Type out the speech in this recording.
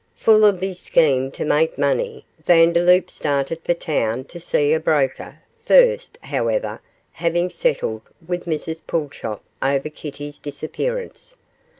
Full of his scheme to make money, Vandeloup started for town to see a broker first, however, having settled with Mrs Pulchop over Kitty's disappearance.